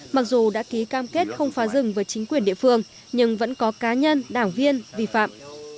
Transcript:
mặc dù đã ký cam kết không phá rừng với chính quyền địa phương nhưng vẫn có cá nhân đảng viên vi phạm